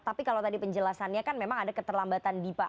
tapi kalau tadi penjelasannya kan memang ada keterlambatan di pak